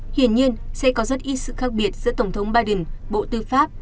hiển nhiên sẽ có rất ít sự khác biệt giữa tổng thống biden bộ tư pháp